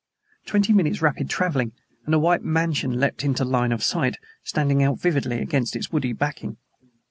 Twenty minutes' rapid traveling, and a white mansion leaped into the line of sight, standing out vividly against its woody backing.